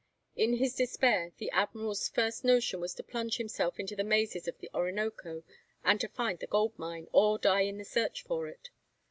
In his despair, the Admiral's first notion was to plunge himself into the mazes of the Orinoco, and to find the gold mine, or die in the search for it.